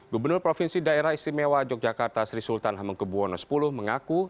gubernur provinsi daerah istimewa yogyakarta sri sultan hamengkebuwono x mengaku